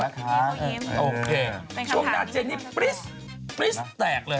พูดดียิ้มโอเคช่วงหน้าเจนนี่ปริ๊สปริ๊สแตกเลย